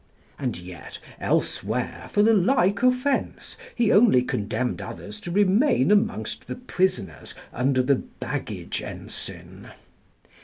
] and yet elsewhere for the like offence he only condemned others to remain amongst the prisoners under the baggage ensign.